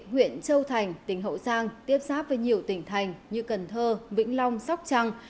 huyện châu thành tỉnh hậu giang tiếp xác với nhiều tỉnh thành như cần thơ vĩnh long sóc trăng